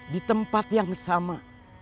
di tempat yang sama